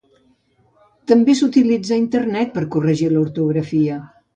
També s'utilitza a internet per corregir l'ortografia.